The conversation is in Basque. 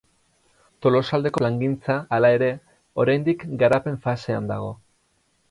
Tolosaldeko plangintza hala ere, oraindik garapen fasean dago.